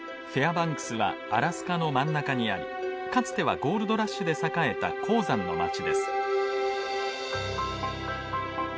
バンクスはアラスカの真ん中にありかつてはゴールドラッシュで栄えた鉱山の街です。